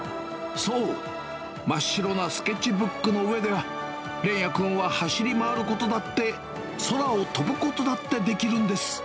そう、真っ白なスケッチブックの上では、れんやくんは、走り回ることだって、空を飛ぶことだってできるんです。